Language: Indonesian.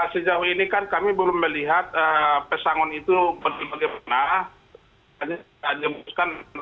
sejauh ini kan kami belum melihat pesangon itu bagaimana